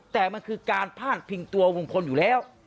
แต่มันคือการพาดพิงตัวลุงพลอยู่แล้ว